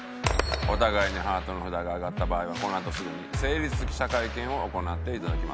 お互いにハートの札が上がった場合はこのあとすぐに成立記者会見を行っていただきます。